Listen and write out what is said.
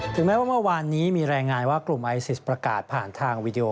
แม้ว่าเมื่อวานนี้มีรายงานว่ากลุ่มไอซิสประกาศผ่านทางวีดีโอ